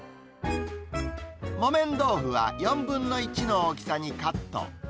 木綿豆腐は４分の１の大きさにカット。